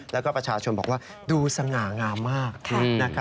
แล้วก็ประชาชนบอกว่าดูสง่างามมาก